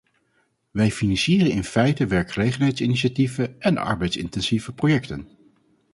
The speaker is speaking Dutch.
Wij financieren in feite werkgelegenheidsinitiatieven en arbeidsintensieve projecten.